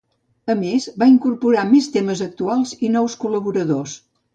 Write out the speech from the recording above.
A més, va incorporar més temes actuals i nous col·laboradors.